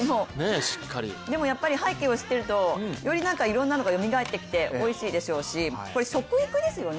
でもやっぱり背景を知ってるとよりいろんなのがよみがえってきておいしいでしょうし、これは食育ですよね。